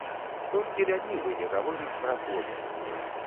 Толькі лянівы не гаворыць пра поле!